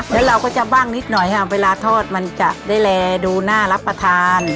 แล้วเราก็จะบ้างนิดหน่อยค่ะเวลาทอดมันจะได้แลดูน่ารับประทาน